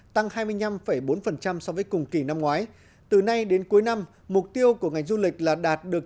tăng hai mươi năm bốn so với cùng kỳ năm ngoái từ nay đến cuối năm mục tiêu của ngành du lịch là đạt được